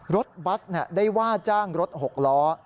รถบัสได้ว่าจ้างรถ๖ล้อ